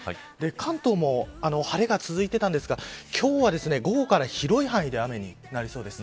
関東も、晴れが続いていたんですが今日は午後から広い範囲で雨になりそうです。